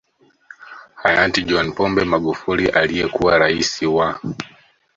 Hayati John Pombe Magufuli aliyekuwa Rais wa